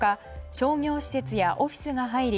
商業施設やオフィスが入り